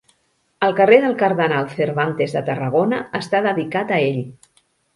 El carrer del Cardenal Cervantes de Tarragona està dedicat a ell.